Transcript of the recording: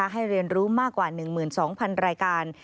ให้เรียนรู้มากกว่า๑๒๐๐๐รายการ